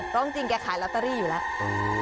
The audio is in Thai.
เพราะจริงแกขายลอตเตอรี่อยู่แล้ว